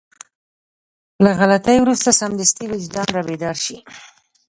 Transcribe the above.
له غلطي وروسته سمدستي وجدان رابيدار شي.